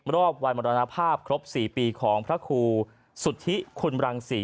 รอบวันมรณภาพครบ๔ปีของพระครูสุธิคุณรังศรี